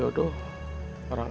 kita harus turun